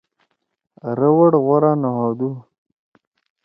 رَوڑ غورا نہ ہودُّ۔